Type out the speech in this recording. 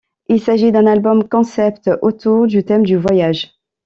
Il s'agit d'un album-concept autour du thème du voyage.